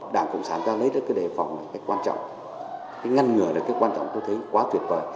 đảng cộng sản ta lấy được cái đề phòng này cái quan trọng cái ngăn ngừa là cái quan trọng tôi thấy quá tuyệt vời